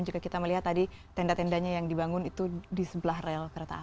jika kita melihat tadi tenda tendanya yang dibangun itu di sebelah rel kereta api